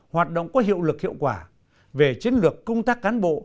hoạt động có hiệu lực hiệu quả về chiến lược công tác cán bộ